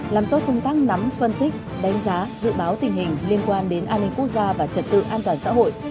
làm tốt công tác nắm phân tích đánh giá dự báo tình hình liên quan đến an ninh quốc gia và trật tự an toàn xã hội